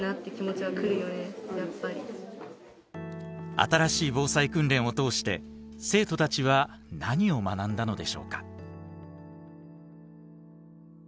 新しい防災訓練を通して生徒たちは何を学んだのでしょうか？